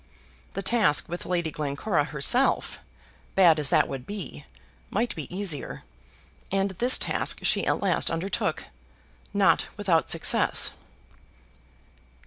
The task with Lady Glencora herself, bad as that would be, might be easier, and this task she at last undertook, not without success.